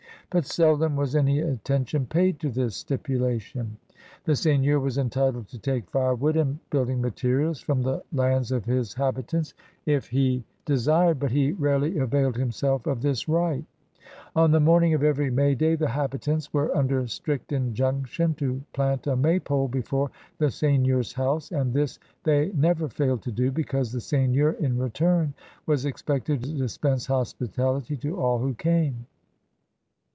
But seldom was any attention paid to this stipulation. The seigneur was entitled to take firewood and build ing materials from the lands of his habitants if he SEIGNEURS OP OLD CANADA 151 desired, but he rarely avaOed himself of this right. On the morning of every May Day the habitants were imder strict injunction to plant a Maypole before the seigneur's house, and this they never failed to do, because the seigneur in return was expected to dispense hospitality to all who came.